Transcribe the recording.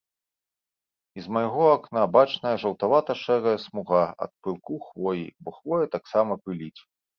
І з майго акна бачная жаўтавата-шэрая смуга ад пылку хвоі, бо хвоя таксама пыліць.